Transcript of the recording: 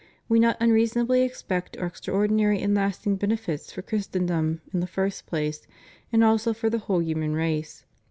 We not unreasonably expect extraordinary and lasting benefits for Christendom in the first place, and also for the whole human race.